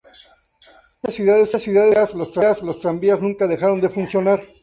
En muchas ciudades europeas los tranvías nunca dejaron de funcionar.